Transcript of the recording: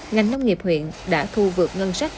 ngành nông nghiệp huyện đã thu vượt ngân sách